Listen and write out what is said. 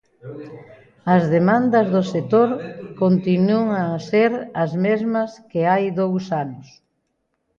As demandas do sector continúan a ser as mesmas que hai dous anos.